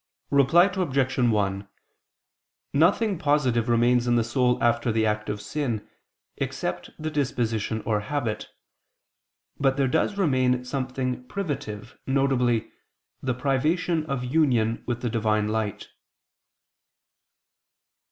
Reply Obj. 1: Nothing positive remains in the soul after the act of sin, except the disposition or habit; but there does remain something privative, viz. the privation of union with the Divine light.